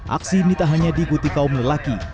aksi minta hanya diikuti kaum lelaki